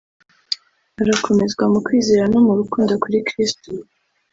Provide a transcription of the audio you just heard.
arakomezwa mu kwizera no mu rukundo kuri Kristo